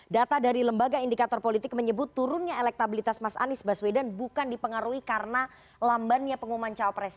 data dari lembaga indikator politik menyebut turunnya elektabilitas mas anies baswedan bukan dipengaruhi karena lambannya pengumuman cawapres